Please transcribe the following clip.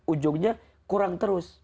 ujungnya kurang terus